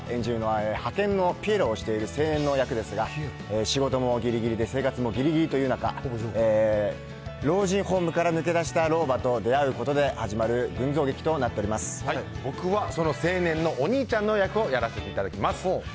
僕が演じるのは、派遣のピエロをしている青年の役ですが、仕事もぎりぎりで、生活もぎりぎりという中、老人ホームから抜け出した老婆と出会うことで始まる群像劇となっ僕はその青年のお兄ちゃんの役をやらせていただきます。